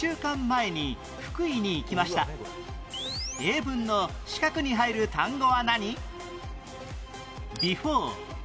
英文の四角に入る単語は何？